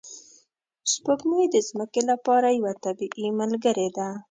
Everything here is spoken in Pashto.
سپوږمۍ د ځمکې لپاره یوه طبیعي ملګرې ده